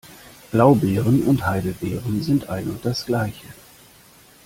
Blaubeeren und Heidelbeeren sind ein und das Gleiche.